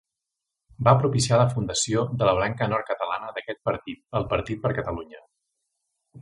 Va propiciar la fundació de la branca nord-catalana d'aquest partit, el Partit per Catalunya.